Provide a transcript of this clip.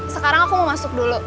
sekarang aku mau masuk dulu